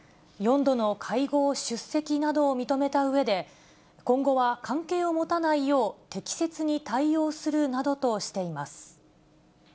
４度の会合出席などを認めたうえで、今後は関係を持たないよう適切に対応するなどとしています。